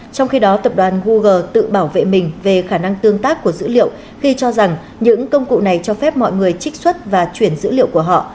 trong khi đó tập đoàn google tự bảo vệ mình về khả năng tương tác của dữ liệu khi cho rằng những công cụ này cho phép mọi người trích xuất và chuyển dữ liệu của họ